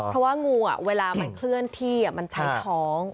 เพราะว่างูเวลามันเคลื่อนที่มันใช้ท้อง